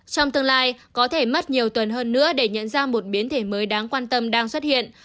trong tương lai có thể mất nhiều tuần hơn nữa để nhận ra một biến thể mới đáng quan tâm đang xuất hiện